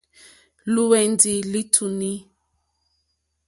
Lúwɛ̀ndì lítúnì.